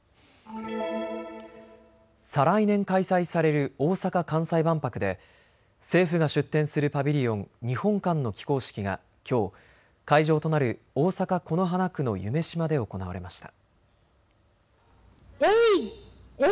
再来年開催される大阪・関西万博で政府が出展するパビリオン、日本館の起工式がきょう、会場となる大阪此花区の夢洲で行われました。